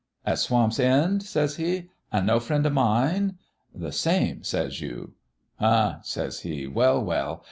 "'"At Swamp's End?" says he. "An' no friend o' mine?" "'" The same," says you. "'" Huh!" says he. "Well, well!